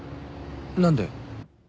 何で？